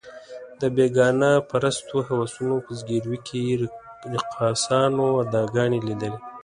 د بېګانه پرستو هوسونو په ځګیروي کې یې رقاصانو اداګانې لیدلې.